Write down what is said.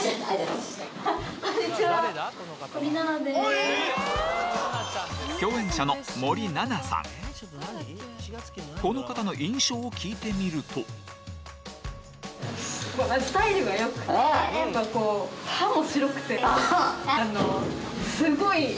この方の印象を聞いてみるとすごい。